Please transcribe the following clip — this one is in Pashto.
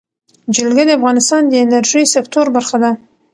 جلګه د افغانستان د انرژۍ سکتور برخه ده.